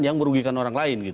yang merugikan orang lain